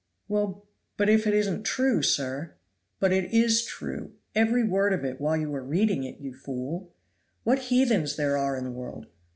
"Well, but if it isn't true, sir?" "But it is true, every word of it, while you are reading it, ye fool. What heathens there are in the world!